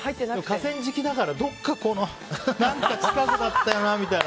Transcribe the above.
河川敷だからどこかこう何か近くだったよなみたいな。